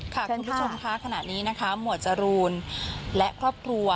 คุณผู้ชมค่ะขณะนี้นะคะหมวดจรูนและครอบครัว